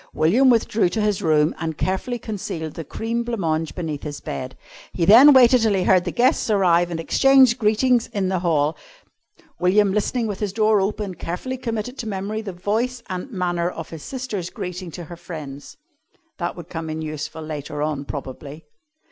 William withdrew to his room and carefully concealed the cream blanc mange beneath his bed. He then waited till he heard the guests arrive and exchange greetings in the hall. William, listening with his door open, carefully committed to memory the voice and manner of his sister's greeting to her friends. That would come in useful later on, probably.